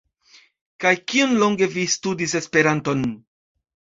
Kaj kiom longe vi studis Esperanton?